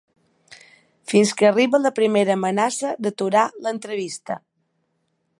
Fins que arriba la primera amenaça d’aturar l’entrevista.